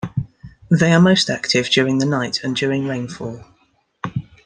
They are most active during the night and during rainfall.